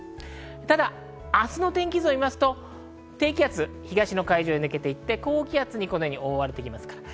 ただ明日の天気図を見ますと、低気圧は東の海上に抜け、高気圧に覆われてきます。